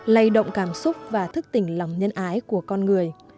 lây động cảm xúc và thức tình lòng nhân ái của con người